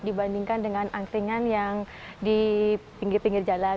dibandingkan dengan angkringan yang di pinggir pinggir jalan